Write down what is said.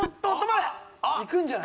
いくんじゃない？